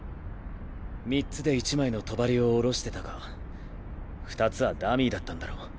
３つで１枚の帳を下ろしてたか２つはダミーだったんだろ。